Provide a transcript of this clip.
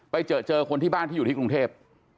ไปเจอเจอคนที่บ้านที่อยู่ที่กรุงเทพ